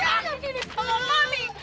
jangan begini sama mami